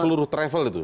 seluruh travel itu